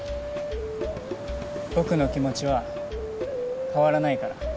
僕の気持ちは変わらないから。